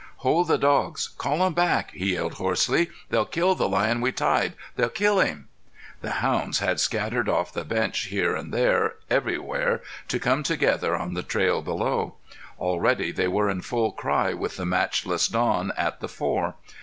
"Hold the dogs! Call them back!" he yelled hoarsely. "They'll kill the lion we tied! They'll kill him!" The hounds had scattered off the bench here and there, everywhere, to come together on the trail below. Already they were in full cry with the matchless Don at the fore.